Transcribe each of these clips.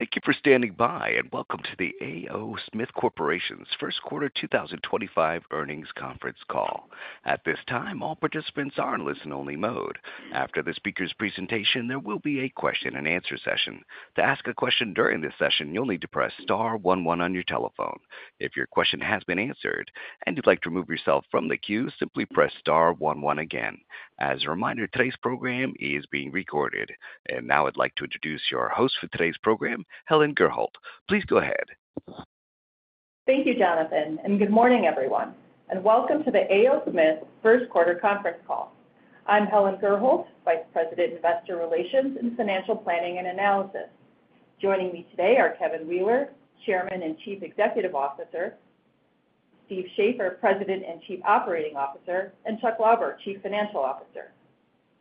Thank you for standing by, and welcome to the A. O. Smith Corporation's First Quarter 2025 earnings conference call. At this time, all participants are in listen-only mode. After the speaker's presentation, there will be a question-and-answer session. To ask a question during this session, you'll need to press star 11 on your telephone. If your question has been answered and you'd like to remove yourself from the queue, simply press star 11 again. As a reminder, today's program is being recorded. Now I'd like to introduce your host for today's program, Helen Gurholt. Please go ahead. Thank you, Jonathan, and good morning, everyone. Welcome to the A. O. Smith First Quarter conference call. I'm Helen Gurholt, Vice President, Investor Relations and Financial Planning and Analysis. Joining me today are Kevin Wheeler, Chairman and Chief Executive Officer; Steve Shafer, President and Chief Operating Officer; and Chuck Lauber, Chief Financial Officer.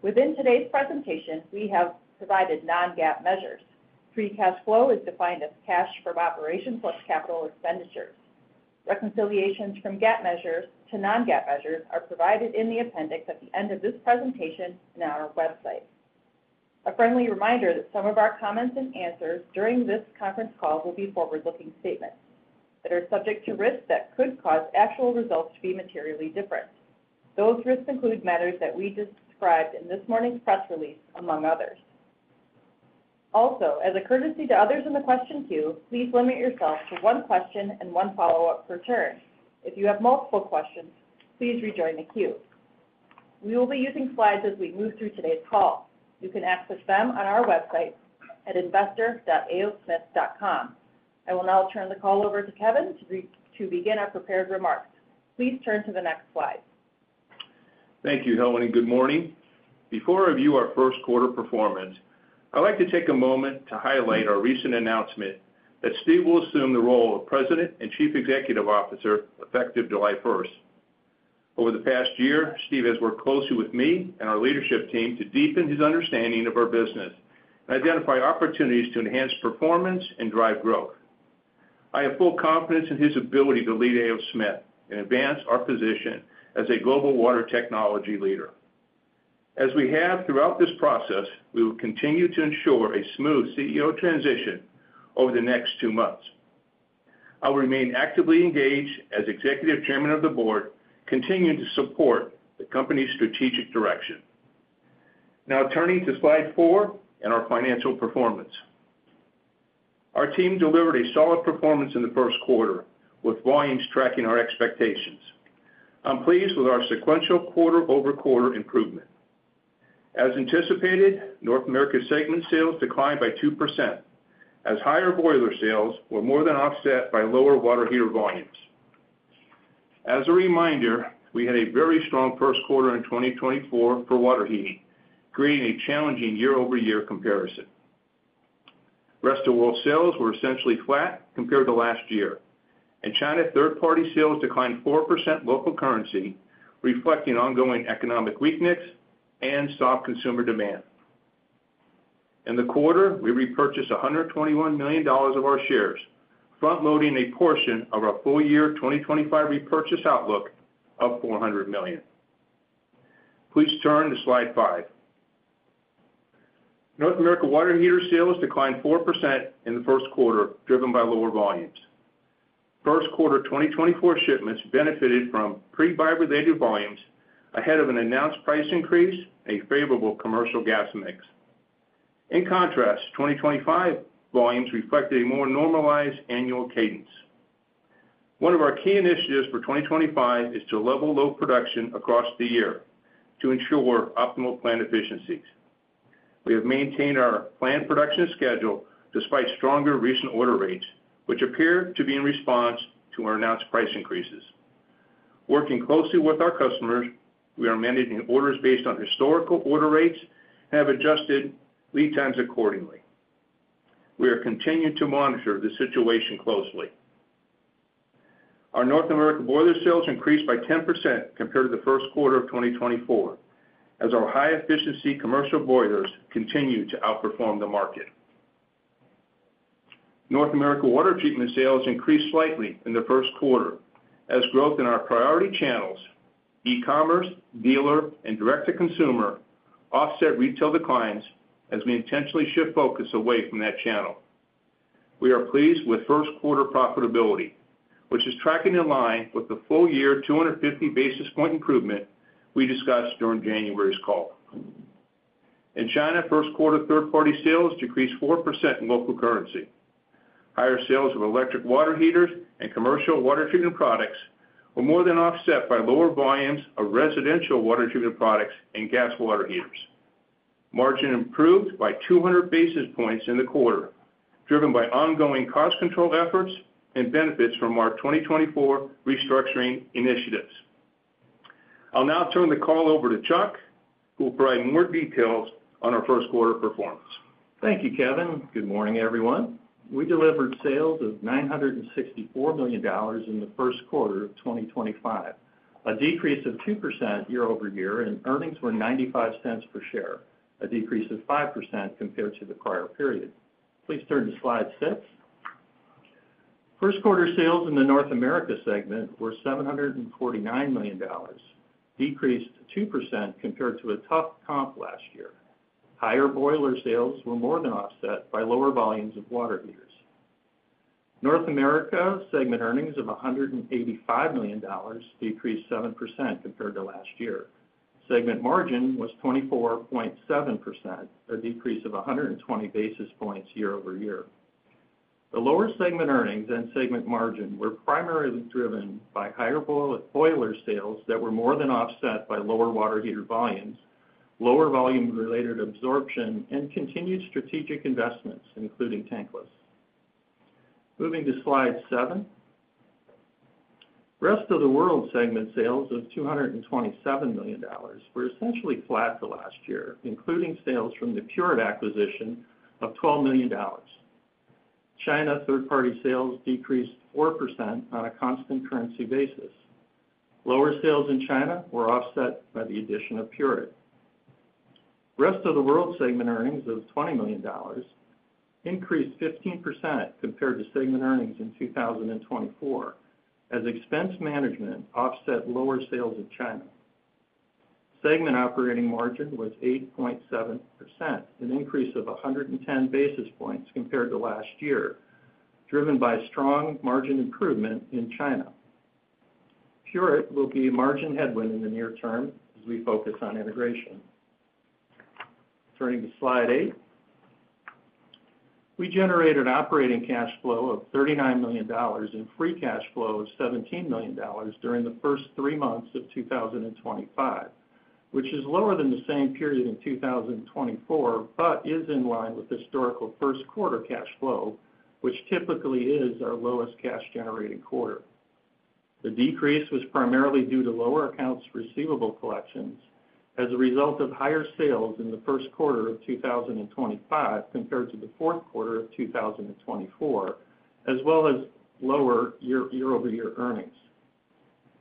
Within today's presentation, we have provided non-GAAP measures. Free cash flow is defined as cash from operations plus capital expenditures. Reconciliations from GAAP measures to non-GAAP measures are provided in the appendix at the end of this presentation and on our website. A friendly reminder that some of our comments and answers during this conference call will be forward-looking statements that are subject to risks that could cause actual results to be materially different. Those risks include matters that we described in this morning's press release, among others. Also, as a courtesy to others in the question queue, please limit yourself to one question and one follow-up per turn. If you have multiple questions, please rejoin the queue. We will be using slides as we move through today's call. You can access them on our website at investor.aosmith.com. I will now turn the call over to Kevin to begin our prepared remarks. Please turn to the next slide. Thank you, Helen and good morning. Before I review our first quarter performance, I'd like to take a moment to highlight our recent announcement that Steve will assume the role of President and Chief Executive Officer effective July 1st. Over the past year, Steve has worked closely with me and our leadership team to deepen his understanding of our business and identify opportunities to enhance performance and drive growth. I have full confidence in his ability to lead A. O. Smith and advance our position as a global water technology leader. As we have throughout this process, we will continue to ensure a smooth CEO transition over the next two months. I will remain actively engaged as Executive Chairman of the Board, continuing to support the company's strategic direction. Now, turning to slide four and our financial performance. Our team delivered a solid performance in the first quarter, with volumes tracking our expectations. I'm pleased with our sequential quarter-over-quarter improvement. As anticipated, North America segment sales declined by 2%, as higher boiler sales were more than offset by lower water heater volumes. As a reminder, we had a very strong first quarter in 2024 for water heating, creating a challenging year-over-year comparison. Rest of world sales were essentially flat compared to last year. In China, third-party sales declined 4% local currency, reflecting ongoing economic weakness and soft consumer demand. In the quarter, we repurchased 121 million dollars of our shares, front-loading a portion of our full-year 2025 repurchase outlook of 400 million. Please turn to slide five. North America water heater sales declined 4% in the first quarter, driven by lower volumes. First quarter 2024 shipments benefited from pre-buy related volumes ahead of an announced price increase and a favorable commercial gas mix. In contrast, 2025 volumes reflected a more normalized annual cadence. One of our key initiatives for 2025 is to level load production across the year to ensure optimal plant efficiencies. We have maintained our planned production schedule despite stronger recent order rates, which appear to be in response to our announced price increases. Working closely with our customers, we are managing orders based on historical order rates and have adjusted lead times accordingly. We are continuing to monitor the situation closely. Our North America boiler sales increased by 10% compared to the first quarter of 2024, as our high-efficiency commercial boilers continue to outperform the market. North America water treatment sales increased slightly in the first quarter, as growth in our priority channels—e-commerce, dealer, and direct-to-consumer—offset retail declines as we intentionally shift focus away from that channel. We are pleased with first quarter profitability, which is tracking in line with the full-year 250 basis point improvement we discussed during January's call. In China, first quarter third-party sales decreased 4% in local currency. Higher sales of electric water heaters and commercial water treatment products were more than offset by lower volumes of residential water treatment products and gas water heaters. Margin improved by 200 basis points in the quarter, driven by ongoing cost control efforts and benefits from our 2024 restructuring initiatives. I'll now turn the call over to Chuck, who will provide more details on our first quarter performance. Thank you, Kevin. Good morning, everyone. We delivered sales of 964 million dollars in the first quarter of 2025, a decrease of 2% year-over-year, and earnings were 0.95 per share, a decrease of 5% compared to the prior period. Please turn to slide six. First quarter sales in the North America segment were 749 million dollars, decreased 2% compared to a tough comp last year. Higher boiler sales were more than offset by lower volumes of water heaters. North America segment earnings of 185 million dollars decreased 7% compared to last year. Segment margin was 24.7%, a decrease of 120 basis points year-over-year. The lower segment earnings and segment margin were primarily driven by higher boiler sales that were more than offset by lower water heater volumes, lower volume-related absorption, and continued strategic investments, including tankless. Moving to slide seven. Rest of the world segment sales of 227 million dollars were essentially flat for last year, including sales from the Pureit acquisition of 12 million dollars. China third-party sales decreased 4% on a constant currency basis. Lower sales in China were offset by the addition of Pureit. Rest of the world segment earnings of 20 million dollars increased 15% compared to segment earnings in 2024, as expense management offset lower sales in China. Segment operating margin was 8.7%, an increase of 110 basis points compared to last year, driven by strong margin improvement in China. Pureit will be a margin headwind in the near term as we focus on integration. Turning to slide eight. We generated operating cash flow of 39 million dollars and free cash flow of 17 million dollars during the first three months of 2025, which is lower than the same period in 2024, but is in line with historical first quarter cash flow, which typically is our lowest cash-generating quarter. The decrease was primarily due to lower accounts receivable collections as a result of higher sales in the first quarter of 2025 compared to the fourth quarter of 2024, as well as lower year-over-year earnings.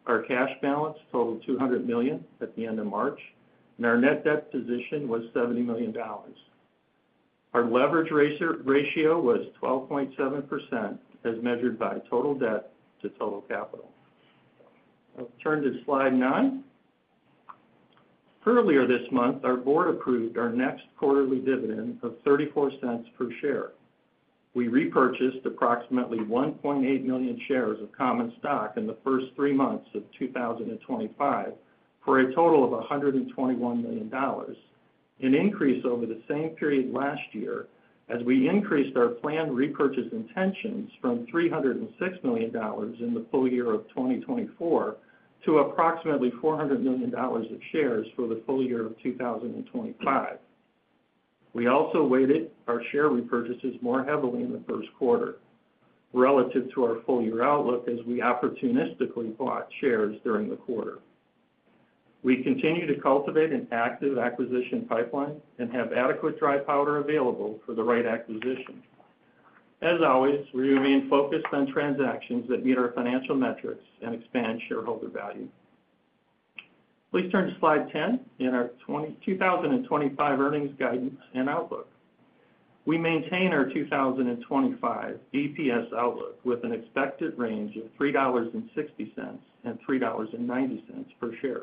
Our cash balance totaled 200 million at the end of March, and our net debt position was 70 million dollars. Our leverage ratio was 12.7%, as measured by total debt to total capital. I'll turn to slide nine. Earlier this month, our board approved our next quarterly dividend of 30 cents per share. We repurchased approximately 1.8 million shares of common stock in the first three months of 2025 for a total of 121 million dollars, an increase over the same period last year as we increased our planned repurchase intentions fom 306 million dollars in the full year of 2024 to approximately 400 million dollars of shares for the full year of 2025. We also weighted our share repurchases more heavily in the first quarter relative to our full-year outlook as we opportunistically bought shares during the quarter. We continue to cultivate an active acquisition pipeline and have adequate dry powder available for the right acquisition. As always, we remain focused on transactions that meet our financial metrics and expand shareholder value. Please turn to slide 10 in our 2025 earnings guidance and outlook. We maintain our 2025 EPS outlook with an expected range of 3.60-3.90 dollars per share.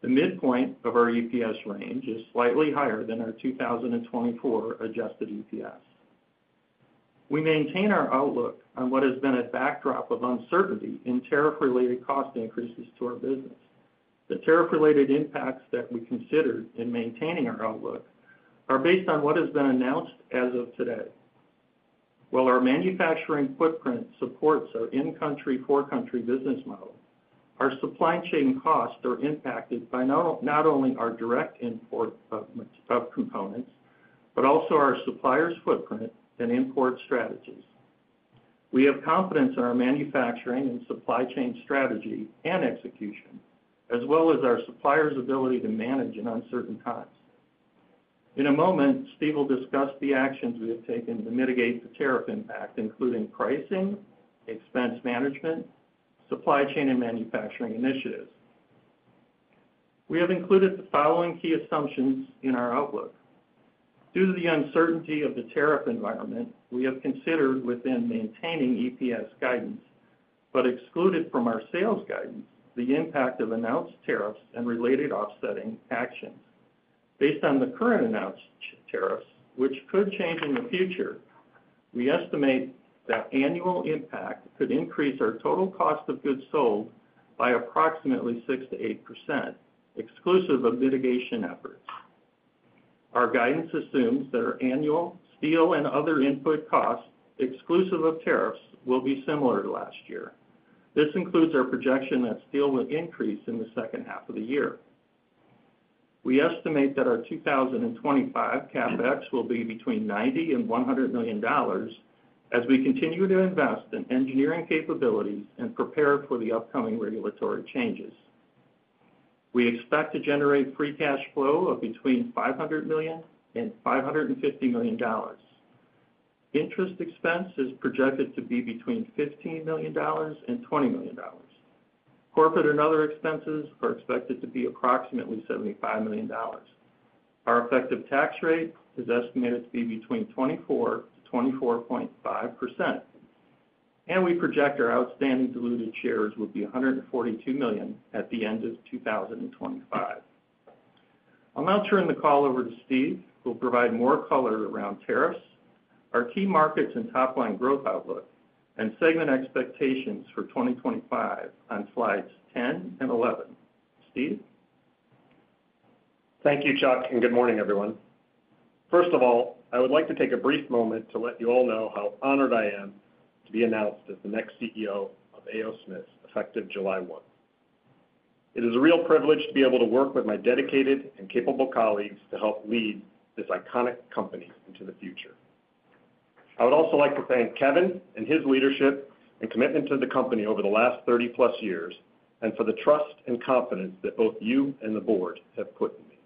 The midpoint of our EPS range is slightly higher than our 2024 adjusted EPS. We maintain our outlook on what has been a backdrop of uncertainty in tariff-related cost increases to our business. The tariff-related impacts that we considered in maintaining our outlook are based on what has been announced as of today. While our manufacturing footprint supports our in-country, for-country business model, our supply chain costs are impacted by not only our direct import of components, but also our suppliers' footprint and import strategies. We have confidence in our manufacturing and supply chain strategy and execution, as well as our suppliers' ability to manage in uncertain times. In a moment, Steve will discuss the actions we have taken to mitigate the tariff impact, including pricing, expense management, supply chain, and manufacturing initiatives. We have included the following key assumptions in our outlook. Due to the uncertainty of the tariff environment, we have considered within maintaining EPS guidance, but excluded from our sales guidance the impact of announced tariffs and related offsetting actions. Based on the current announced tariffs, which could change in the future, we estimate that annual impact could increase our total cost of goods sold by approximately 6-8%, exclusive of mitigation efforts. Our guidance assumes that our annual steel and other input costs, exclusive of tariffs, will be similar to last year. This includes our projection that steel will increase in the second half of the year. We estimate that our 2025 CapEx will be between 90 million and 100 million dollars as we continue to invest in engineering capabilities and prepare for the upcoming regulatory changes. We expect to generate free cash flow of between 500 million and 550 million dollars. Interest expense is projected to be between 15 million dollars and 20 million dollars. Corporate and other expenses are expected to be approximately 75 million dollars. Our effective tax rate is estimated to be between 24-24.5%, and we project our outstanding diluted shares will be 142 million at the end of 2025. I'll now turn the call over to Steve, who will provide more color around tariffs, our key markets and top-line growth outlook, and segment expectations for 2025 on slides 10 and 11. Steve? Thank you, Chuck, and good morning, everyone. First of all, I would like to take a brief moment to let you all know how honored I am to be announced as the next CEO of A. O. Smith, effective July 1. It is a real privilege to be able to work with my dedicated and capable colleagues to help lead this iconic company into the future. I would also like to thank Kevin and his leadership and commitment to the company over the last 30-plus years, and for the trust and confidence that both you and the board have put in me.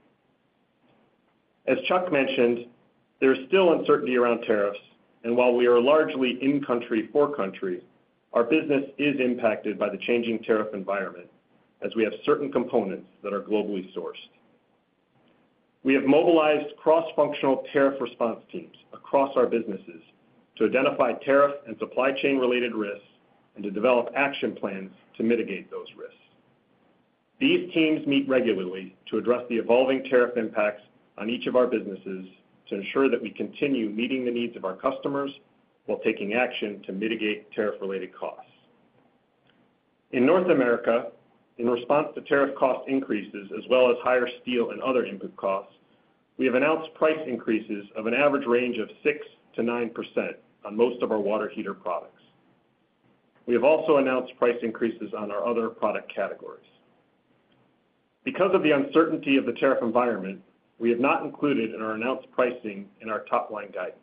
As Chuck mentioned, there is still uncertainty around tariffs, and while we are largely in-country for-country, our business is impacted by the changing tariff environment as we have certain components that are globally sourced. We have mobilized cross-functional tariff response teams across our businesses to identify tariff and supply chain-related risks and to develop action plans to mitigate those risks. These teams meet regularly to address the evolving tariff impacts on each of our businesses to ensure that we continue meeting the needs of our customers while taking action to mitigate tariff-related costs. In North America, in response to tariff cost increases, as well as higher steel and other input costs, we have announced price increases of an average range of 6-9% on most of our water heater products. We have also announced price increases on our other product categories. Because of the uncertainty of the tariff environment, we have not included in our announced pricing in our top-line guidance.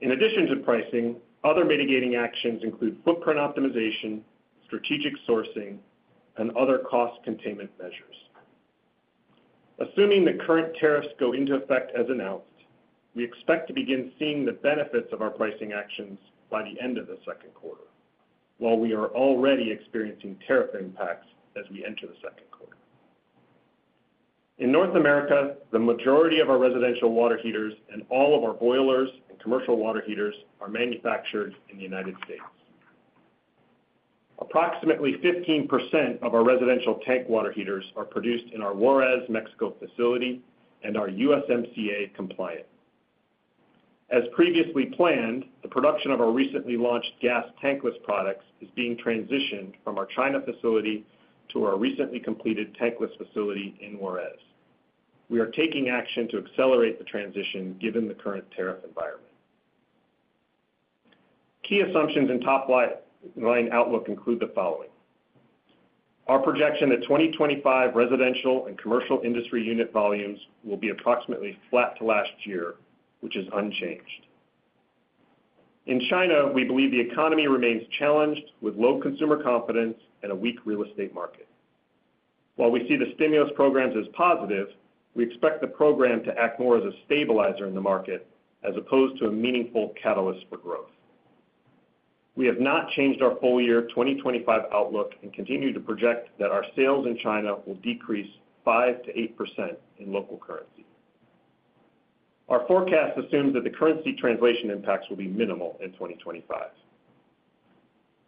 In addition to pricing, other mitigating actions include footprint optimization, strategic sourcing, and other cost containment measures. Assuming the current tariffs go into effect as announced, we expect to begin seeing the benefits of our pricing actions by the end of the second quarter, while we are already experiencing tariff impacts as we enter the second quarter. In North America, the majority of our residential water heaters and all of our boilers and commercial water heaters are manufactured in the United States. Approximately 15% of our residential tank water heaters are produced in our Juarez, Mexico facility and are USMCA compliant. As previously planned, the production of our recently launched gas tankless products is being transitioned from our China facility to our recently completed tankless facility in Juarez. We are taking action to accelerate the transition given the current tariff environment. Key assumptions in top-line outlook include the following. Our projection that 2025 residential and commercial industry unit volumes will be approximately flat to last year, which is unchanged. In China, we believe the economy remains challenged with low consumer confidence and a weak real estate market. While we see the stimulus programs as positive, we expect the program to act more as a stabilizer in the market as opposed to a meaningful catalyst for growth. We have not changed our full-year 2025 outlook and continue to project that our sales in China will decrease 5-8% in local currency. Our forecast assumes that the currency translation impacts will be minimal in 2025.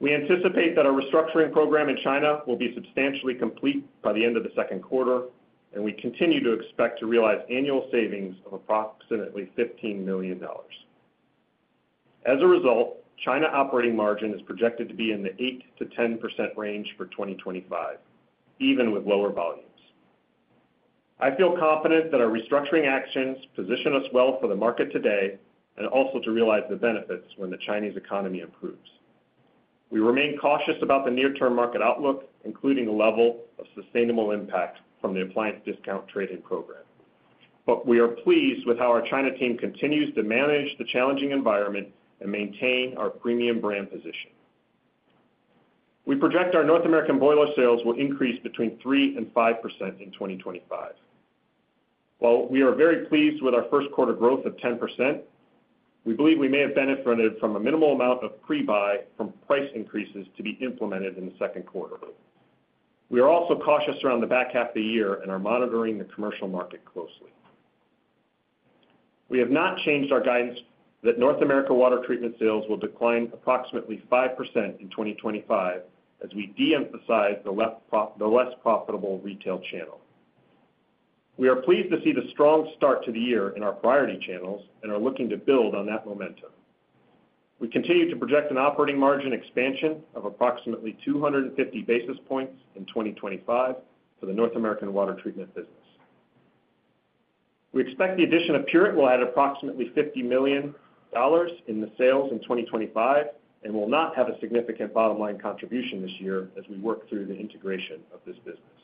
We anticipate that our restructuring program in China will be substantially complete by the end of the second quarter, and we continue to expect to realize annual savings of approximately 15 million dollars. As a result, China operating margin is projected to be in the 8-10% range for 2025, even with lower volumes. I feel confident that our restructuring actions position us well for the market today and also to realize the benefits when the Chinese economy improves. We remain cautious about the near-term market outlook, including a level of sustainable impact from the appliance discount trading program, but we are pleased with how our China team continues to manage the challenging environment and maintain our premium brand position. We project our North American boiler sales will increase between 3-5% in 2025. While we are very pleased with our first quarter growth of 10%, we believe we may have benefited from a minimal amount of pre-buy from price increases to be implemented in the second quarter. We are also cautious around the back half of the year and are monitoring the commercial market closely. We have not changed our guidance that North America water treatment sales will decline approximately 5% in 2025 as we de-emphasize the less profitable retail channel. We are pleased to see the strong start to the year in our priority channels and are looking to build on that momentum. We continue to project an operating margin expansion of approximately 250 basis points in 2025 for the North America water treatment business. We expect the addition of Pureit will add approximately 50 million dollars in sales in 2025 and will not have a significant bottom-line contribution this year as we work through the integration of this business.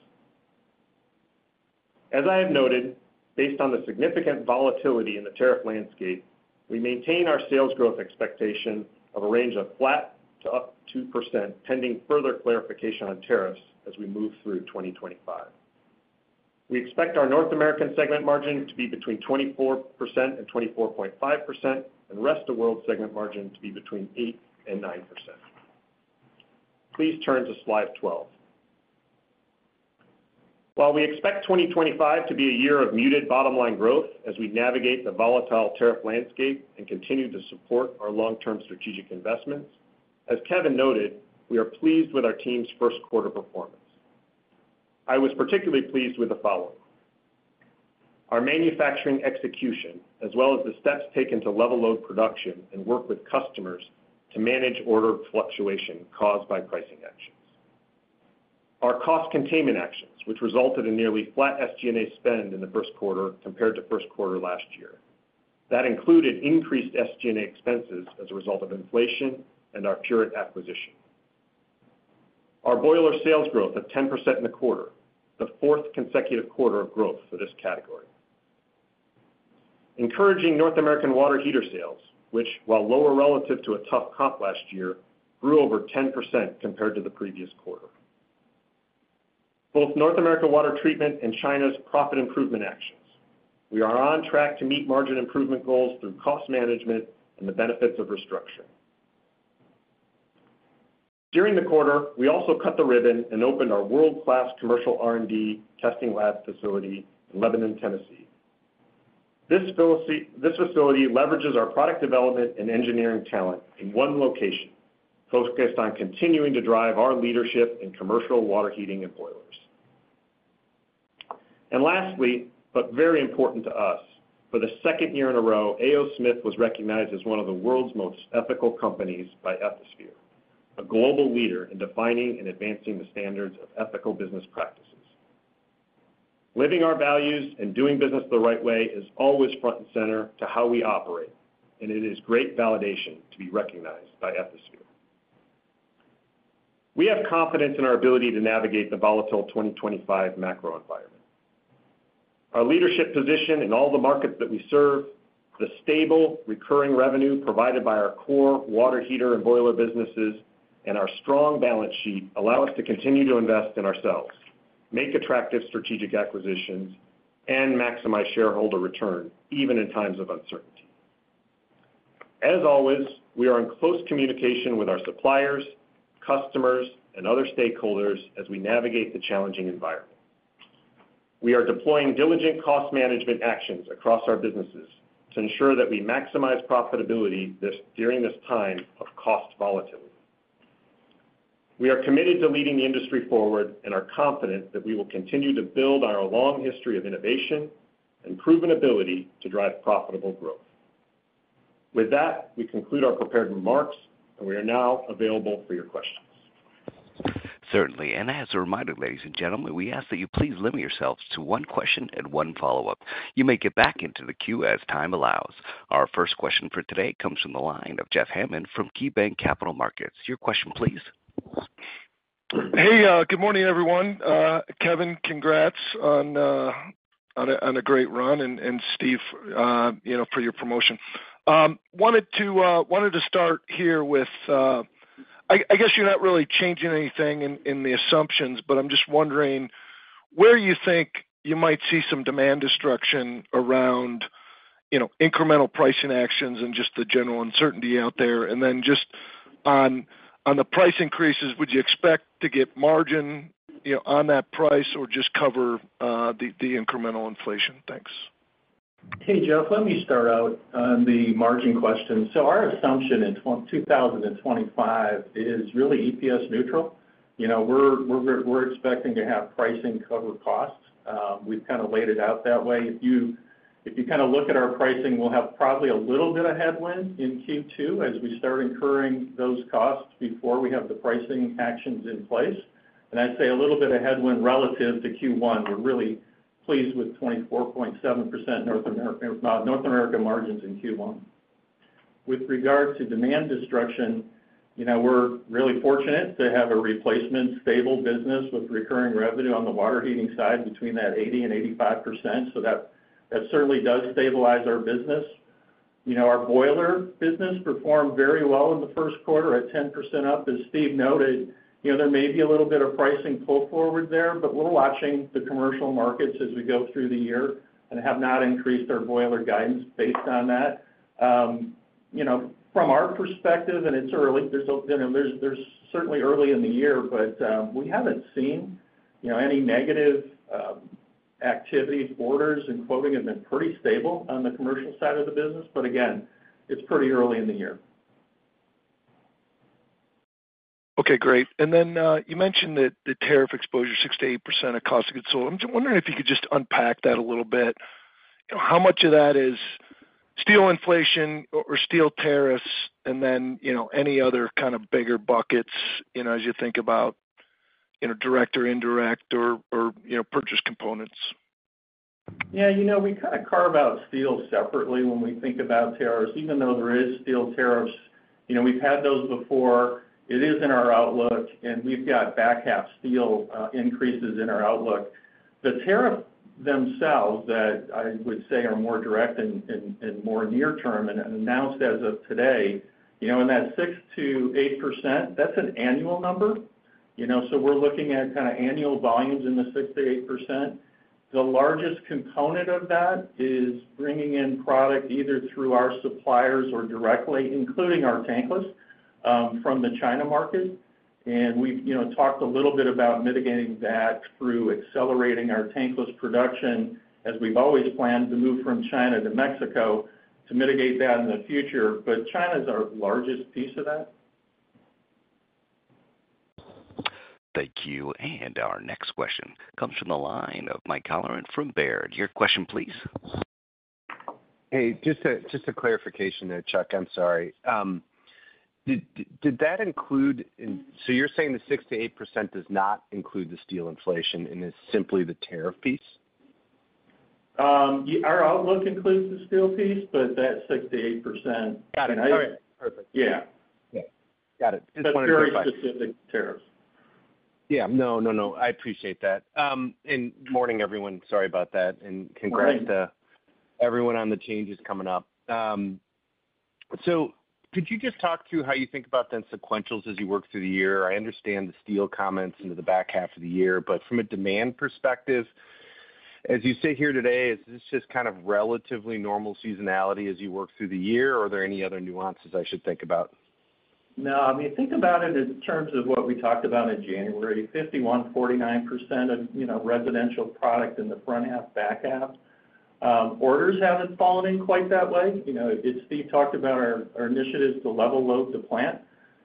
As I have noted, based on the significant volatility in the tariff landscape, we maintain our sales growth expectation of a range of flat to up to 2% pending further clarification on tariffs as we move through 2025. We expect our North American segment margin to be between 24% and 24.5% and Rest of World segment margin to be between 8% and 9%. Please turn to slide 12. While we expect 2025 to be a year of muted bottom-line growth as we navigate the volatile tariff landscape and continue to support our long-term strategic investments, as Kevin noted, we are pleased with our team's first quarter performance. I was particularly pleased with the following. Our manufacturing execution, as well as the steps taken to level load production and work with customers to manage order fluctuation caused by pricing actions. Our cost containment actions, which resulted in nearly flat SG&A spend in the first quarter compared to first quarter last year, included increased SG&A expenses as a result of inflation and our Pureit acquisition. Our boiler sales growth of 10% in the quarter, the fourth consecutive quarter of growth for this category. Encouraging North American water heater sales, which, while lower relative to a tough comp last year, grew over 10% compared to the previous quarter. Both North America water treatment and China's profit improvement actions, we are on track to meet margin improvement goals through cost management and the benefits of restructuring. During the quarter, we also cut the ribbon and opened our world-class commercial R&D testing lab facility in Lebanon, Tennessee. This facility leverages our product development and engineering talent in one location, focused on continuing to drive our leadership in commercial water heating and boilers. Lastly, but very important to us, for the second year in a row, A. O. Smith was recognized as one of the world's most ethical companies by Ethisphere, a global leader in defining and advancing the standards of ethical business practices. Living our values and doing business the right way is always front and center to how we operate, and it is great validation to be recognized by Ethisphere. We have confidence in our ability to navigate the volatile 2025 macro environment. Our leadership position in all the markets that we serve, the stable recurring revenue provided by our core water heater and boiler businesses, and our strong balance sheet allow us to continue to invest in ourselves, make attractive strategic acquisitions, and maximize shareholder return even in times of uncertainty. As always, we are in close communication with our suppliers, customers, and other stakeholders as we navigate the challenging environment. We are deploying diligent cost management actions across our businesses to ensure that we maximize profitability during this time of cost volatility. We are committed to leading the industry forward and are confident that we will continue to build our long history of innovation and proven ability to drive profitable growth. With that, we conclude our prepared remarks, and we are now available for your questions. Certainly. As a reminder, ladies and gentlemen, we ask that you please limit yourselves to one question and one follow-up. You may get back into the queue as time allows. Our first question for today comes from the line of Jeff Hammond from KeyBanc Capital Markets. Your question, please. Hey, good morning, everyone. Kevin, congrats on a great run and Steve, for your promotion. Wanted to start here with, I guess you're not really changing anything in the assumptions, but I'm just wondering where you think you might see some demand destruction around incremental pricing actions and just the general uncertainty out there. On the price increases, would you expect to get margin on that price or just cover the incremental inflation? Thanks. Hey, Jeff, let me start out on the margin question. Our assumption in 2025 is really EPS neutral. We're expecting to have pricing cover costs. We've kind of laid it out that way. If you kind of look at our pricing, we'll have probably a little bit of headwind in Q2 as we start incurring those costs before we have the pricing actions in place. I'd say a little bit of headwind relative to Q1. We're really pleased with 24.7% North America margins in Q1. With regards to demand destruction, we're really fortunate to have a replacement stable business with recurring revenue on the water heating side between that 80 and 85%. That certainly does stabilize our business. Our boiler business performed very well in the first quarter at 10% up. As Steve noted, there may be a little bit of pricing pull forward there, but we're watching the commercial markets as we go through the year and have not increased our boiler guidance based on that. From our perspective, and it's early, it's certainly early in the year, but we haven't seen any negative activity. Orders and quoting have been pretty stable on the commercial side of the business, but again, it's pretty early in the year. Okay, great. You mentioned that the tariff exposure, 6-8% of cost of goods sold. I'm just wondering if you could just unpack that a little bit. How much of that is steel inflation or steel tariffs and then any other kind of bigger buckets as you think about direct or indirect or purchase components? Yeah, we kind of carve out steel separately when we think about tariffs. Even though there is steel tariffs, we've had those before. It is in our outlook, and we've got back half steel increases in our outlook. The tariffs themselves that I would say are more direct and more near-term and announced as of today, in that 6-8%, that's an annual number. We're looking at kind of annual volumes in the 6-8%. The largest component of that is bringing in product either through our suppliers or directly, including our tankless from the China market. We have talked a little bit about mitigating that through accelerating our tankless production as we've always planned to move from China to Mexico to mitigate that in the future. China is our largest piece of that. Thank you. Our next question comes from the line of Mike Halloran from Baird. Your question, please. Hey, just a clarification there, Chuck. I'm sorry. Did that include? You're saying the 6-8% does not include the steel inflation and is simply the tariff piece? Our outlook includes the steel piece, but that 6-8%. Got it. All right. Perfect. Yeah. Yeah. Got it. Just wanted to clarify. It's very specific tariffs. Yeah. No, I appreciate that. Morning, everyone. Sorry about that. Congrats to everyone on the changes coming up. Could you just talk through how you think about then sequential as you work through the year? I understand the steel comments into the back half of the year, but from a demand perspective, as you sit here today, is this just kind of relatively normal seasonality as you work through the year? Are there any other nuances I should think about? No. I mean, think about it in terms of what we talked about in January. 51%, 49% of residential product in the front half, back half. Orders have not fallen in quite that way. Steve talked about our initiatives to level load the plant.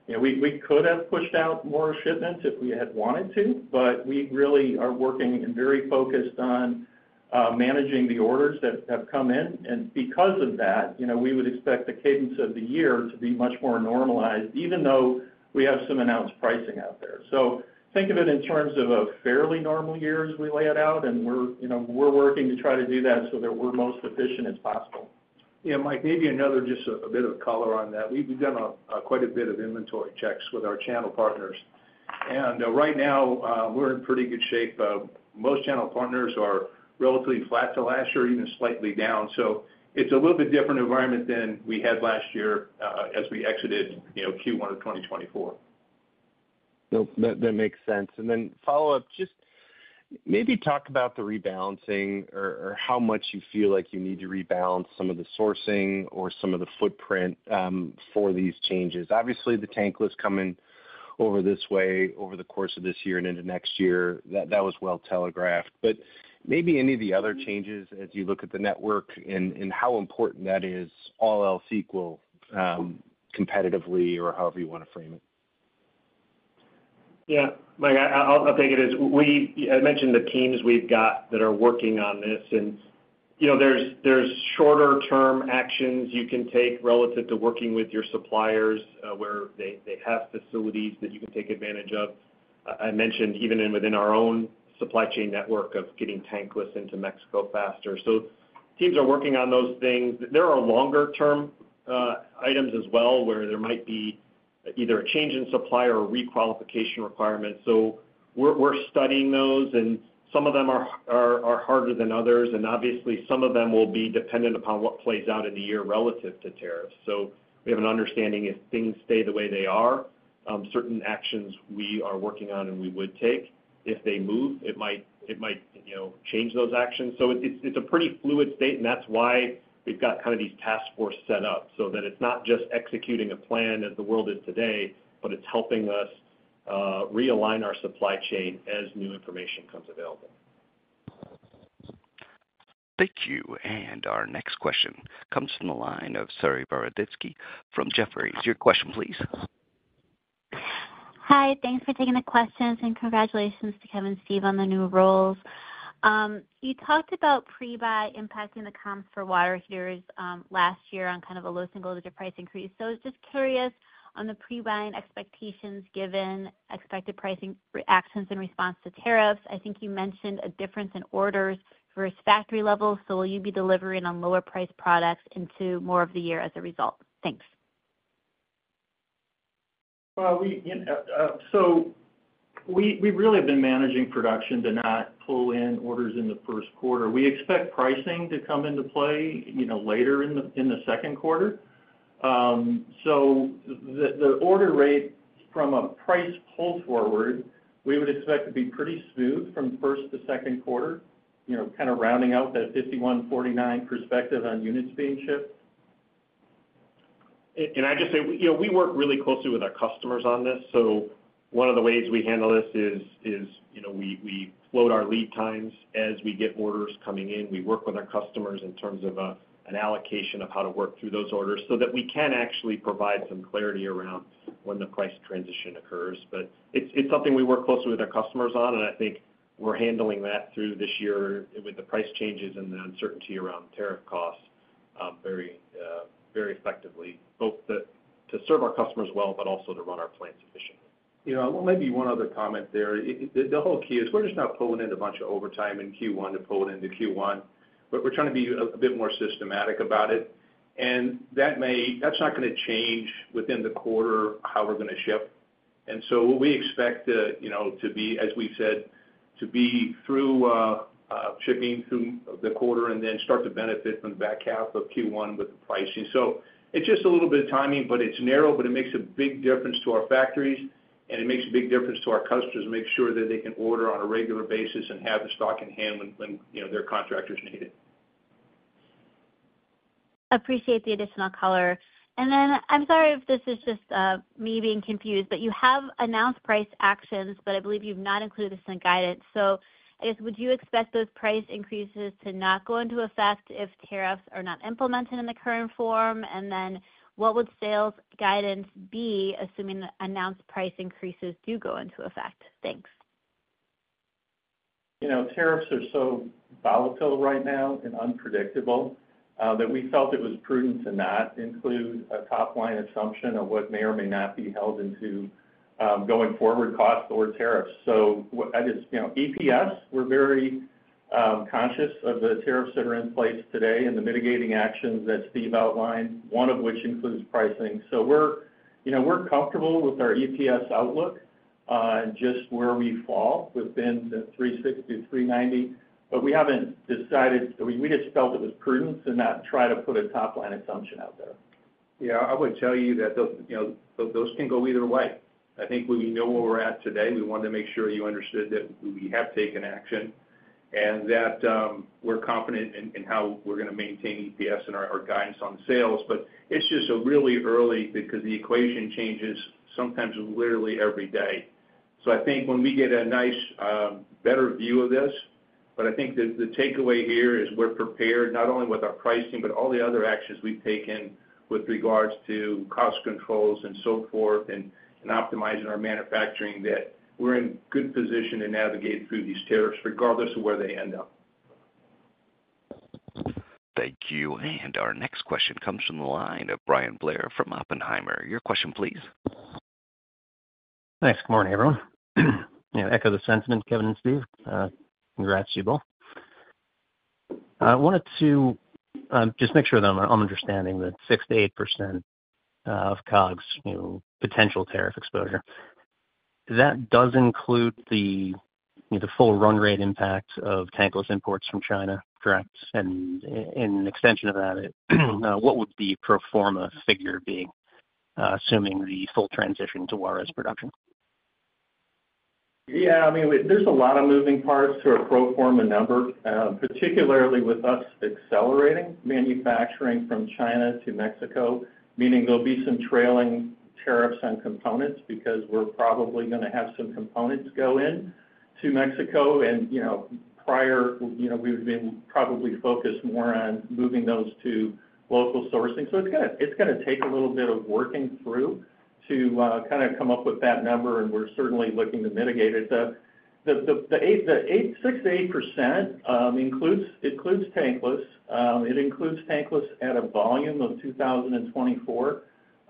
We could have pushed out more shipments if we had wanted to, but we really are working and very focused on managing the orders that have come in. Because of that, we would expect the cadence of the year to be much more normalized, even though we have some announced pricing out there. Think of it in terms of a fairly normal year as we lay it out, and we are working to try to do that so that we are most efficient as possible. Yeah, Mike, maybe another just a bit of color on that. We've done quite a bit of inventory checks with our channel partners. Right now, we're in pretty good shape. Most channel partners are relatively flat to last year, even slightly down. It's a little bit different environment than we had last year as we exited Q1 of 2024. That makes sense. Then follow-up, just maybe talk about the rebalancing or how much you feel like you need to rebalance some of the sourcing or some of the footprint for these changes. Obviously, the tankless coming over this way over the course of this year and into next year, that was well telegraphed. Maybe any of the other changes as you look at the network and how important that is, all else equal competitively or however you want to frame it. Yeah. Mike, I'll take it as I mentioned the teams we've got that are working on this. There's shorter-term actions you can take relative to working with your suppliers where they have facilities that you can take advantage of. I mentioned even within our own supply chain network of getting tankless into Mexico faster. Teams are working on those things. There are longer-term items as well where there might be either a change in supply or requalification requirements. We're studying those, and some of them are harder than others. Obviously, some of them will be dependent upon what plays out in the year relative to tariffs. We have an understanding if things stay the way they are, certain actions we are working on and we would take. If they move, it might change those actions. It is a pretty fluid state, and that is why we have got kind of these task forces set up so that it is not just executing a plan as the world is today, but it is helping us realign our supply chain as new information comes available. Thank you. Our next question comes from the line of Saree Boroditsky from Jefferies. Your question, please. Hi. Thanks for taking the questions, and congratulations to Kevin and Steve on the new roles. You talked about pre-buy impacting the comps for water heaters last year on kind of a low single digit price increase. I was just curious on the pre-buying expectations given expected pricing actions in response to tariffs. I think you mentioned a difference in orders versus factory levels. Will you be delivering on lower-priced products into more of the year as a result? Thanks. We really have been managing production to not pull in orders in the first quarter. We expect pricing to come into play later in the second quarter. The order rate from a price pull forward, we would expect to be pretty smooth from first to second quarter, kind of rounding out that 51, 49 perspective on units being shipped. I just say we work really closely with our customers on this. One of the ways we handle this is we float our lead times as we get orders coming in. We work with our customers in terms of an allocation of how to work through those orders so that we can actually provide some clarity around when the price transition occurs. It is something we work closely with our customers on, and I think we are handling that through this year with the price changes and the uncertainty around tariff costs very effectively, both to serve our customers well, but also to run our plants efficiently. Maybe one other comment there. The whole key is we are just not pulling in a bunch of overtime in Q1 to pull it into Q1, but we are trying to be a bit more systematic about it. That is not going to change within the quarter how we are going to ship. We expect to be, as we said, to be through shipping through the quarter and then start to benefit from the back half of Q1 with the pricing. It is just a little bit of timing, but it is narrow, but it makes a big difference to our factories, and it makes a big difference to our customers to make sure that they can order on a regular basis and have the stock in hand when their contractors need it. Appreciate the additional color. I'm sorry if this is just me being confused, but you have announced price actions, but I believe you've not included this in the guidance. I guess, would you expect those price increases to not go into effect if tariffs are not implemented in the current form? What would sales guidance be assuming announced price increases do go into effect? Thanks. Tariffs are so volatile right now and unpredictable that we felt it was prudent to not include a top-line assumption of what may or may not be held into going forward costs or tariffs. EPS, we're very conscious of the tariffs that are in place today and the mitigating actions that Steve outlined, one of which includes pricing. We're comfortable with our EPS outlook and just where we fall within the 3.60-3.90, but we haven't decided. We just felt it was prudent to not try to put a top-line assumption out there. Yeah, I would tell you that those can go either way. I think we know where we're at today. We wanted to make sure you understood that we have taken action and that we're confident in how we're going to maintain EPS and our guidance on sales. It is just really early because the equation changes sometimes literally every day. I think when we get a nice, better view of this, the takeaway here is we are prepared not only with our pricing, but all the other actions we have taken with regards to cost controls and so forth and optimizing our manufacturing that we are in good position to navigate through these tariffs regardless of where they end up. Thank you. Our next question comes from the line of Bryan Blair from Oppenheimer. Your question, please. Thanks. Good morning, everyone. Echo the sentiment, Kevin and Steve. Congrats to you both. I wanted to just make sure that I'm understanding that 6-8% of COGS, potential tariff exposure, that does include the full run rate impact of tankless imports from China, correct? In extension of that, what would the pro forma figure be, assuming the full transition to Juarez production? Yeah. I mean, there's a lot of moving parts to a pro forma number, particularly with us accelerating manufacturing from China to Mexico, meaning there'll be some trailing tariffs on components because we're probably going to have some components go into Mexico. Prior, we've been probably focused more on moving those to local sourcing. It's going to take a little bit of working through to kind of come up with that number, and we're certainly looking to mitigate it. The 6-8% includes tankless. It includes tankless at a volume of 2024.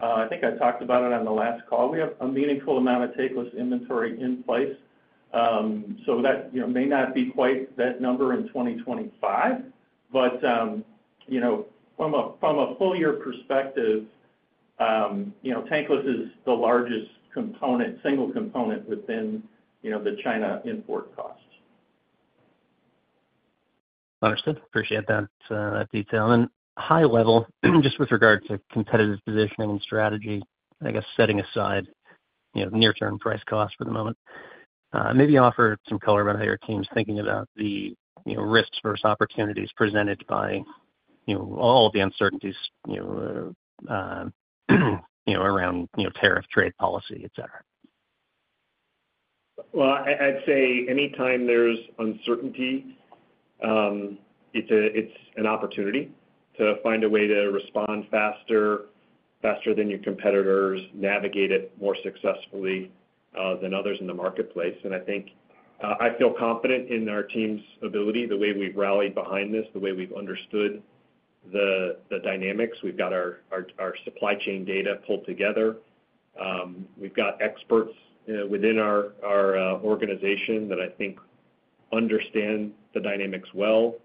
I think I talked about it on the last call. We have a meaningful amount of tankless inventory in place. That may not be quite that number in 2025, but from a full year perspective, tankless is the largest single component within the China import costs. Understood. Appreciate that detail. At a high level, just with regard to competitive positioning and strategy, I guess setting aside near-term price costs for the moment, maybe offer some color about how your team's thinking about the risks versus opportunities presented by all of the uncertainties around tariff, trade policy, etc. I'd say anytime there's uncertainty, it's an opportunity to find a way to respond faster than your competitors, navigate it more successfully than others in the marketplace. I feel confident in our team's ability, the way we've rallied behind this, the way we've understood the dynamics. We've got our supply chain data pulled together. We've got experts within our organization that I think understand the dynamics well.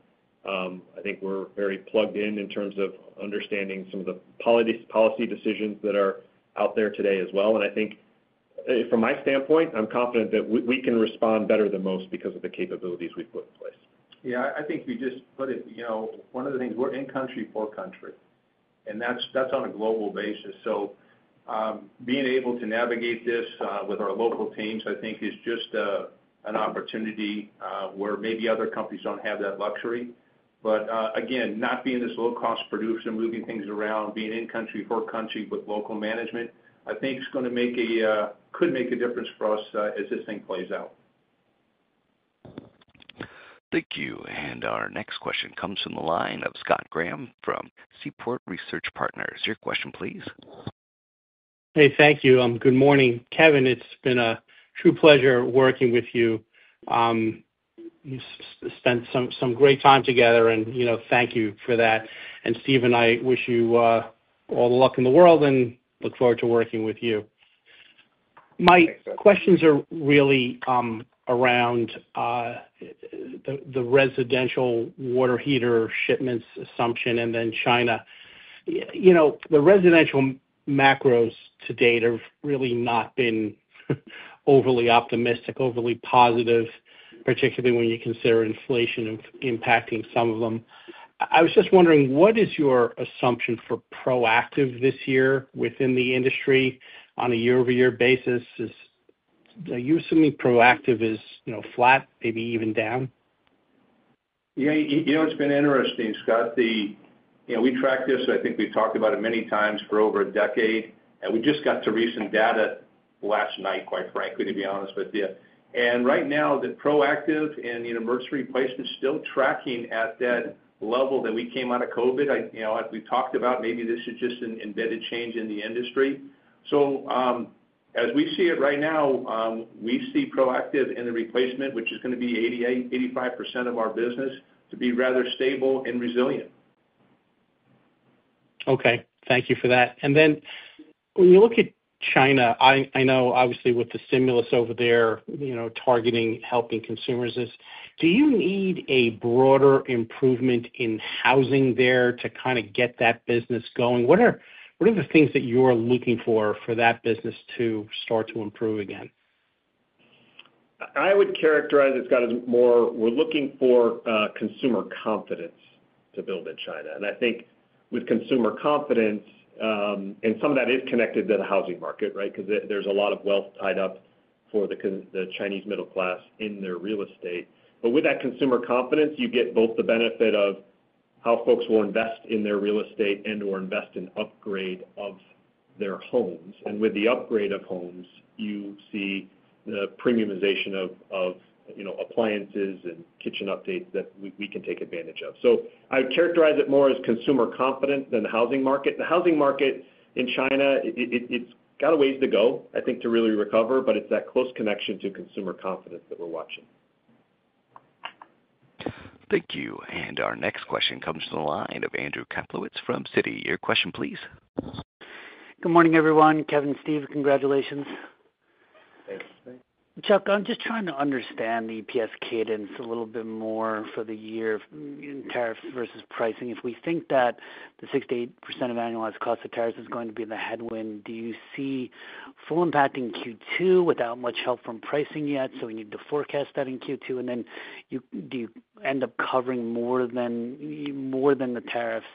I think we're very plugged in in terms of understanding some of the policy decisions that are out there today as well. I think from my standpoint, I'm confident that we can respond better than most because of the capabilities we've put in place. I think we just put it. One of the things, we're in country, for country, and that's on a global basis. Being able to navigate this with our local teams, I think, is just an opportunity where maybe other companies do not have that luxury. Again, not being this low-cost producer, moving things around, being in country, for country with local management, I think it could make a difference for us as this thing plays out. Thank you. Our next question comes from the line of Scott Graham from Seaport Research Partners. Your question, please. Hey, thank you. Good morning, Kevin. It's been a true pleasure working with you. We've spent some great time together and thank you for that. Steve and I wish you all the luck in the world and look forward to working with you. My questions are really around the residential water heater shipments assumption and then China. The residential macros to date have really not been overly optimistic, overly positive, particularly when you consider inflation impacting some of them. I was just wondering, what is your assumption for proactive this year within the industry on a year-over-year basis? Are you assuming proactive is flat, maybe even down? Yeah. It's been interesting, Scott. We track this. I think we've talked about it many times for over a decade, and we just got the recent data last night, quite frankly, to be honest with you. Right now, the proactive and the emergency replacement is still tracking at that level that we came out of COVID. As we talked about, maybe this is just an embedded change in the industry. As we see it right now, we see proactive in the replacement, which is going to be 85% of our business, to be rather stable and resilient. Okay. Thank you for that. When you look at China, I know obviously with the stimulus over there targeting helping consumers, do you need a broader improvement in housing there to kind of get that business going? What are the things that you're looking for for that business to start to improve again? I would characterize it as more we're looking for consumer confidence to build in China. I think with consumer confidence, and some of that is connected to the housing market, right, because there's a lot of wealth tied up for the Chinese middle class in their real estate. With that consumer confidence, you get both the benefit of how folks will invest in their real estate and/or invest in upgrade of their homes. With the upgrade of homes, you see the premiumization of appliances and kitchen updates that we can take advantage of. I would characterize it more as consumer confidence than the housing market. The housing market in China, it's got a ways to go, I think, to really recover, but it's that close connection to consumer confidence that we're watching. Thank you. Our next question comes from the line of Andrew Kaplowitz from Citi. Your question, please. Good morning, everyone. Kevin and Steve, congratulations. Thanks. Chuck, I'm just trying to understand the EPS cadence a little bit more for the year in tariffs versus pricing. If we think that the 6-8% of annualized cost of tariffs is going to be the headwind, do you see full impact in Q2 without much help from pricing yet? We need to forecast that in Q2. Do you end up covering more than the tariffs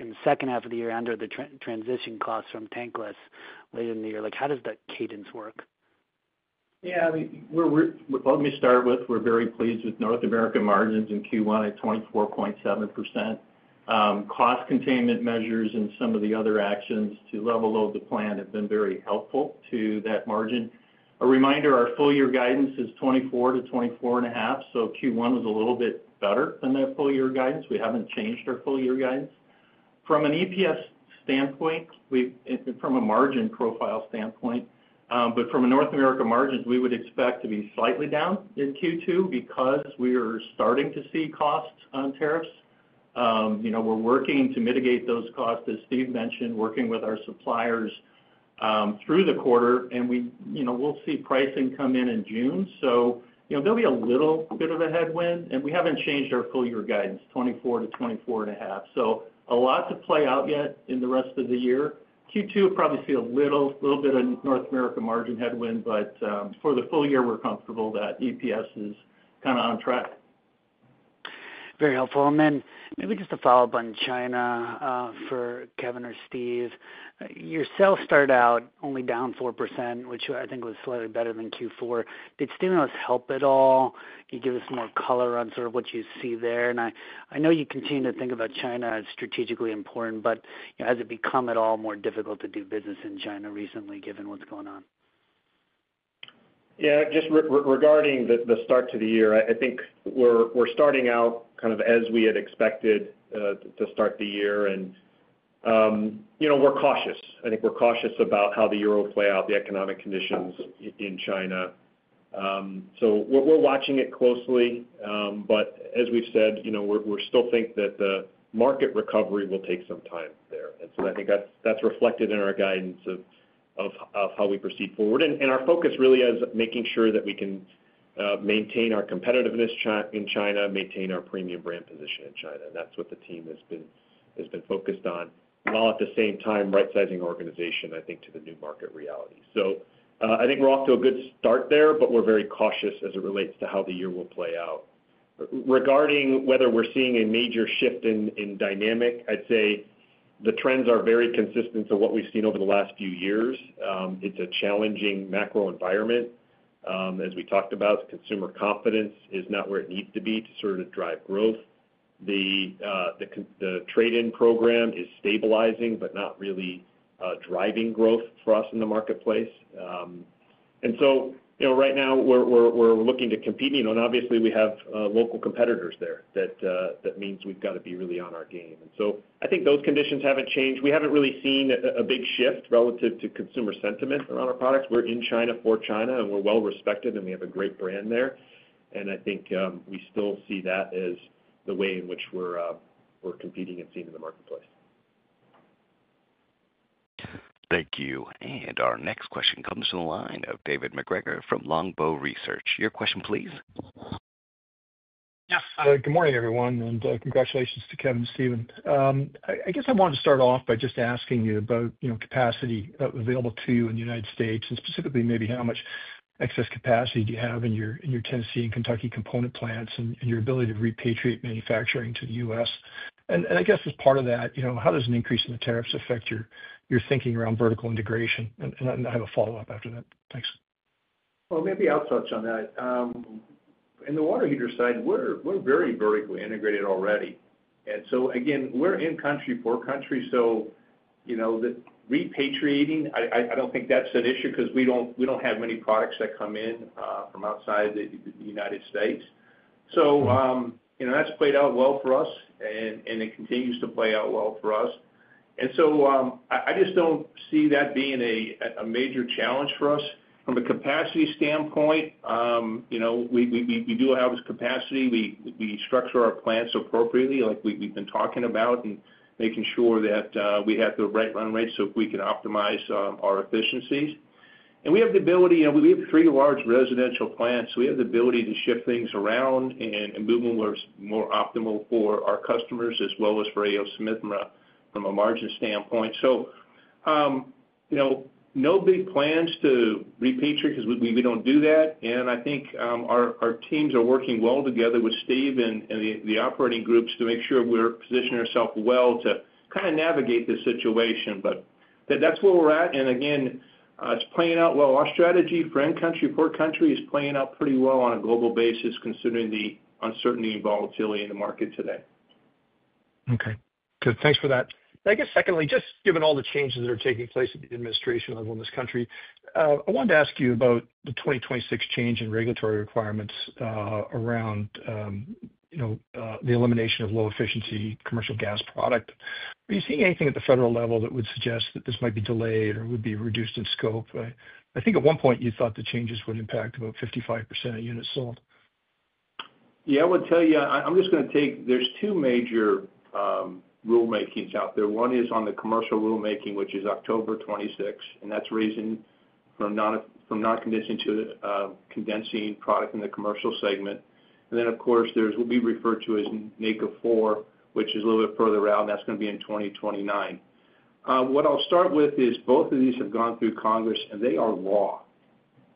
in the second half of the year under the transition costs from tankless later in the year? How does that cadence work? Yeah. Let me start with we're very pleased with North America margins in Q1 at 24.7%. Cost containment measures and some of the other actions to level the plan have been very helpful to that margin. A reminder, our full year guidance is 24-24.5%. Q1 was a little bit better than that full year guidance. We haven't changed our full year guidance. From an EPS standpoint, from a margin profile standpoint, but from a North America margins, we would expect to be slightly down in Q2 because we are starting to see costs on tariffs. We're working to mitigate those costs, as Steve mentioned, working with our suppliers through the quarter, and we'll see pricing come in in June. There'll be a little bit of a headwind, and we haven't changed our full year guidance, 24-24.5%. A lot to play out yet in the rest of the year. Q2, probably see a little bit of North America margin headwind, but for the full year, we're comfortable that EPS is kind of on track. Very helpful. Maybe just a follow-up on China for Kevin or Steve. Your sales started out only down 4%, which I think was slightly better than Q4. Did stimulus help at all? Can you give us more color on sort of what you see there? I know you continue to think about China as strategically important, but has it become at all more difficult to do business in China recently given what's going on? Yeah. Just regarding the start to the year, I think we're starting out kind of as we had expected to start the year, and we're cautious. I think we're cautious about how the year will play out, the economic conditions in China. We're watching it closely, but as we've said, we still think that the market recovery will take some time there. I think that's reflected in our guidance of how we proceed forward. Our focus really is making sure that we can maintain our competitiveness in China, maintain our premium brand position in China. That's what the team has been focused on, while at the same time right-sizing organization, I think, to the new market reality. I think we're off to a good start there, but we're very cautious as it relates to how the year will play out. Regarding whether we're seeing a major shift in dynamic, I'd say the trends are very consistent to what we've seen over the last few years. It's a challenging macro environment, as we talked about. Consumer confidence is not where it needs to be to sort of drive growth. The trade-in program is stabilizing, but not really driving growth for us in the marketplace. Right now, we're looking to compete. Obviously, we have local competitors there. That means we've got to be really on our game. I think those conditions haven't changed. We haven't really seen a big shift relative to consumer sentiment around our products. We're in China for China, and we're well respected, and we have a great brand there. I think we still see that as the way in which we're competing and seen in the marketplace. Thank you. Our next question comes from the line of David MacGregor from Longbow Research. Your question, please. Yes. Good morning, everyone, and congratulations to Kevin and Steve. I guess I wanted to start off by just asking you about capacity available to you in the United States, and specifically maybe how much excess capacity do you have in your Tennessee and Kentucky component plants and your ability to repatriate manufacturing to the U.S. I guess as part of that, how does an increase in the tariffs affect your thinking around vertical integration? I have a follow-up after that. Thanks. Maybe I'll touch on that. In the water heater side, we're very vertically integrated already. Again, we're in country, for country. Repatriating, I don't think that's an issue because we don't have many products that come in from outside the United States. That's played out well for us, and it continues to play out well for us. I just don't see that being a major challenge for us. From a capacity standpoint, we do have capacity. We structure our plants appropriately, like we've been talking about, and making sure that we have the right run rates so we can optimize our efficiencies. We have the ability, we have three large residential plants. We have the ability to shift things around and move them where it's more optimal for our customers as well as for A. O. Smith from a margin standpoint. No big plans to repatriate because we don't do that. I think our teams are working well together with Steve and the operating groups to make sure we're positioning ourselves well to kind of navigate this situation. That's where we're at. Again, it's playing out well. Our strategy for in-country, for country is playing out pretty well on a global basis considering the uncertainty and volatility in the market today. Okay. Good. Thanks for that. I guess secondly, just given all the changes that are taking place at the administration level in this country, I wanted to ask you about the 2026 change in regulatory requirements around the elimination of low-efficiency commercial gas product. Are you seeing anything at the federal level that would suggest that this might be delayed or would be reduced in scope? I think at one point you thought the changes would impact about 55% of units sold. Yeah. I would tell you, I'm just going to take there's two major rulemakings out there. One is on the commercial rulemaking, which is October 26, and that's raising from non-condensing to condensing product in the commercial segment. Of course, there's what we refer to as NAECA 4, which is a little bit further out, and that's going to be in 2029. What I'll start with is both of these have gone through Congress, and they are law.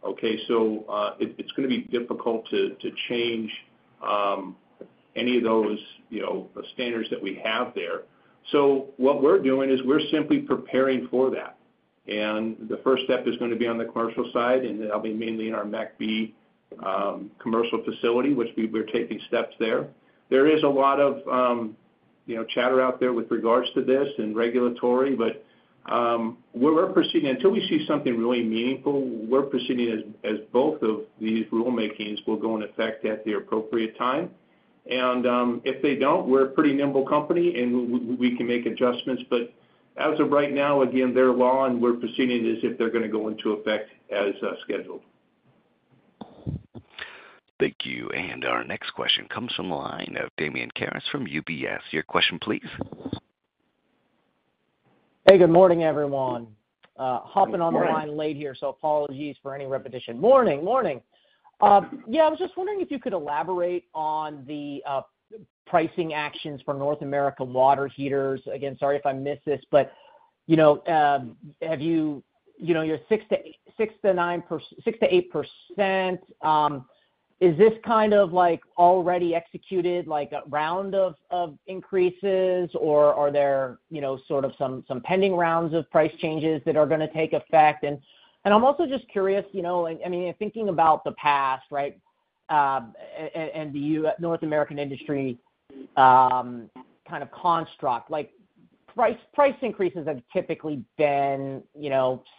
Okay? It's going to be difficult to change any of those standards that we have there. What we're doing is we're simply preparing for that. The first step is going to be on the commercial side, and that'll be mainly in our McBee commercial facility, which we're taking steps there. There is a lot of chatter out there with regards to this and regulatory, but we're proceeding until we see something really meaningful. We're proceeding as both of these rulemakings will go into effect at the appropriate time. If they do not, we're a pretty nimble company, and we can make adjustments. As of right now, again, they're law, and we're proceeding as if they're going to go into effect as scheduled. Thank you. Our next question comes from the line of Damian Karas from UBS. Your question, please. Hey, good morning, everyone. Hopping on the line late here, so apologies for any repetition. Morning, morning. I was just wondering if you could elaborate on the pricing actions for North America water heaters. Again, sorry if I missed this, but have your 6-8%—is this kind of already executed round of increases, or are there sort of some pending rounds of price changes that are going to take effect? I'm also just curious, I mean, thinking about the past, right, and the North American industry kind of construct, price increases have typically been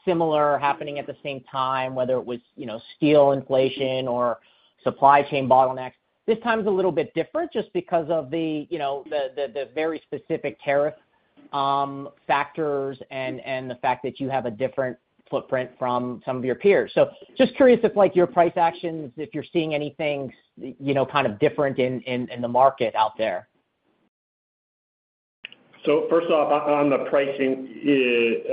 similar happening at the same time, whether it was steel inflation or supply chain bottlenecks. This time is a little bit different just because of the very specific tariff factors and the fact that you have a different footprint from some of your peers. Just curious if your price actions, if you're seeing anything kind of different in the market out there. First off, on the pricing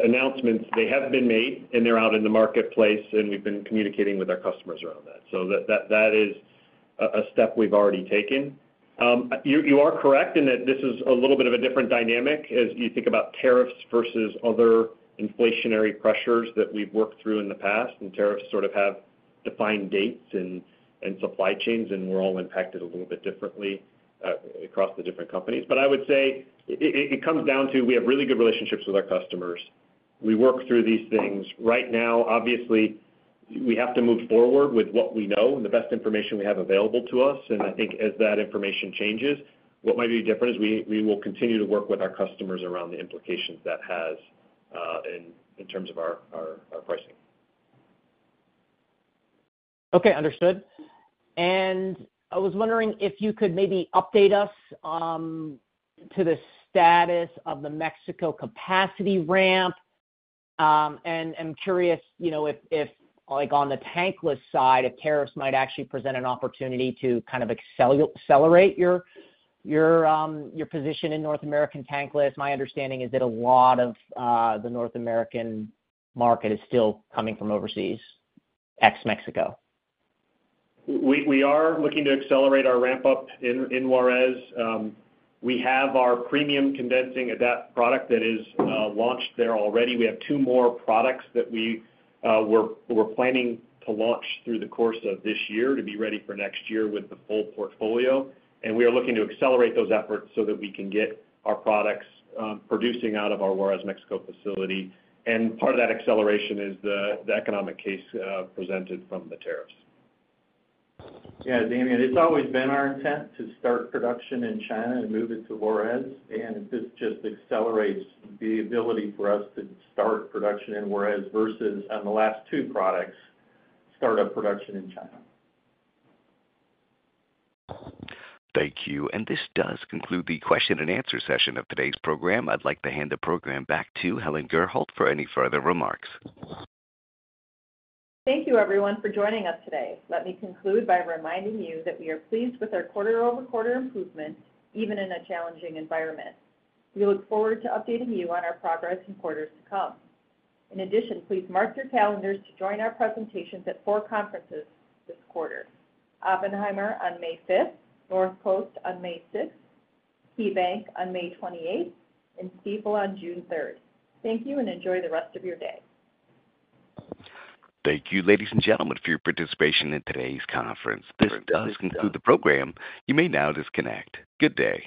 announcements, they have been made, and they are out in the marketplace, and we have been communicating with our customers around that. That is a step we have already taken. You are correct in that this is a little bit of a different dynamic as you think about tariffs versus other inflationary pressures that we have worked through in the past. Tariffs sort of have defined dates and supply chains, and we are all impacted a little bit differently across the different companies. I would say it comes down to we have really good relationships with our customers. We work through these things. Right now, obviously, we have to move forward with what we know and the best information we have available to us. I think as that information changes, what might be different is we will continue to work with our customers around the implications that has in terms of our pricing. Okay. Understood. I was wondering if you could maybe update us to the status of the Mexico capacity ramp. I'm curious if on the tankless side, if tariffs might actually present an opportunity to kind of accelerate your position in North American tankless. My understanding is that a lot of the North American market is still coming from overseas, ex-Mexico. We are looking to accelerate our ramp up in Juarez. We have our premium condensing product that is launched there already. We have two more products that we were planning to launch through the course of this year to be ready for next year with the full portfolio. We are looking to accelerate those efforts so that we can get our products producing out of our Juarez, Mexico facility. Part of that acceleration is the economic case presented from the tariffs. Yeah, Damian, it has always been our intent to start production in China and move it to Juarez. This just accelerates the ability for us to start production in Juarez versus on the last two products, start up production in China. Thank you. This does conclude the question and answer session of today's program. I'd like to hand the program back to Helen Gurholt for any further remarks. Thank you, everyone, for joining us today. Let me conclude by reminding you that we are pleased with our quarter-over-quarter improvement, even in a challenging environment. We look forward to updating you on our progress in quarters to come. In addition, please mark your calendars to join our presentations at four conferences this quarter: Oppenheimer on May 5th, Nortcoast on May 6th, KeyBanc on May 28th, and Stifel on June 3rd. Thank you and enjoy the rest of your day. Thank you, ladies and gentlemen, for your participation in today's conference. This does conclude the program. You may now disconnect. Good day.